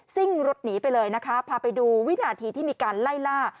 ่งรถหนีไปเลยนะคะพาไปดูวินาทีที่มีการไล่ล่า